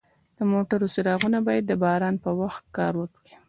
د موټر څراغونه باید د باران په وخت کار وکړي.